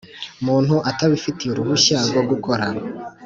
muntu atabifitiye uruhushya rwo gukora